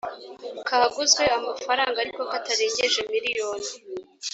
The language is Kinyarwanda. kaguzwe amafaranga ariko katarengeje miliyoni